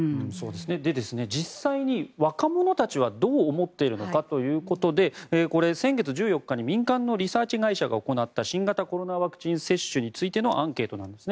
で、実際に若者たちはどう思っているのかということで先月１４日に民間のリサーチ会社が行った新型コロナワクチン接種についてのアンケートなんですね。